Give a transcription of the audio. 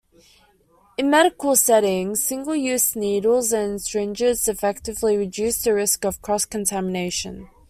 In medical settings, single-use needles and syringes effectively reduce the risk of cross-contamination.